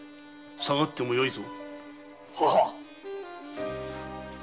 さがってもよいぞ。